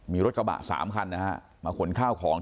มีรถกระบะ๓คันนะฮะมาขนข้าวของ